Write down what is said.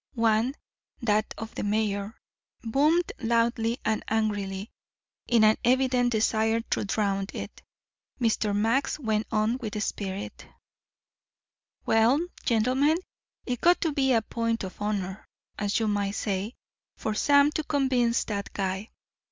One, that of the mayor, boomed loudly and angrily. In an evident desire to drown it, Mr. Max went on with spirit: "Well, gentlemen, it got to be a point of honor, as you might say, for Sam to convince that guy.